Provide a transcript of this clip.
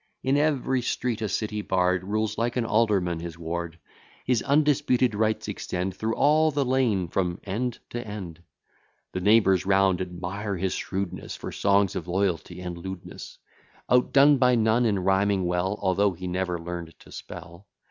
In every street a city bard Rules, like an alderman, his ward; His undisputed rights extend Through all the lane, from end to end; The neighbours round admire his shrewdness For songs of loyalty and lewdness; Outdone by none in rhyming well, Although he never learn'd to spell.